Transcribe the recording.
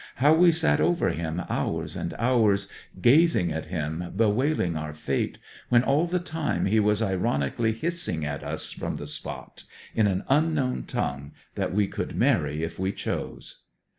How we sat over him, hours and hours, gazing at him, bewailing our fate, when all the time he was ironically hissing at us from the spot, in an unknown tongue, that we could marry if we chose!'